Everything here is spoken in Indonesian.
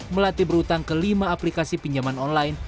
melatih berhutang ke lima aplikasi pinjaman online